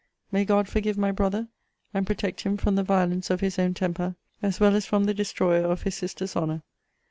May God forgive my brother, and protect him from the violence of his own temper, as well as from the destroyer of his sister's honour!